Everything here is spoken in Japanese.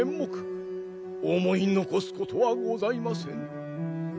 思い残すことはございませぬ。